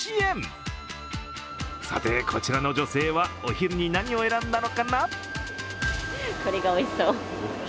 さて、こちらの女性はお昼に何を選んだのかな？